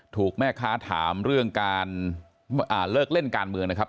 ถูกแม่ค้าถามเรื่องการเลิกเล่นการเมืองนะครับ